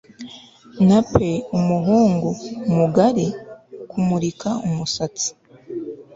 nape umuhungu-mugari. kumurika umusatsi